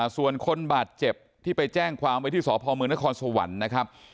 ส่วนคนบาดเจ็บที่ไปแจ้งความไว้ที่สพมนครสวรรค์นะครับ